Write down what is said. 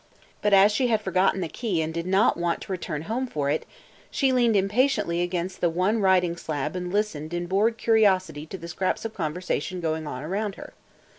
But as she had forgotten the key and did not want to return home for it, she leaned impatiently against the one writing slab and listened in bored curiosity to the scraps of conversation going on about her.